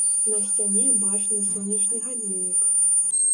На сцяне бачны сонечны гадзіннік.